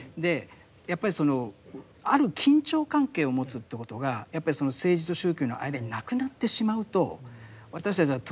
やっぱりそのある緊張関係を持つということがやっぱり政治と宗教の間になくなってしまうと私たちはとても悲劇的な出来事を